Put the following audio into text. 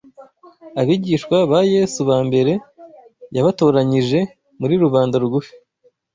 Abigishwa ba Yesu ba mbere yabatoranyije muri rubanda rugufi